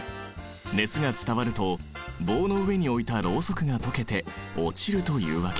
熱が伝わると棒の上に置いたロウソクが溶けて落ちるというわけ。